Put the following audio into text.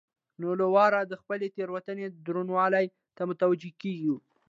نو له واره د خپلې تېروتنې درونوالي ته متوجه کېږو.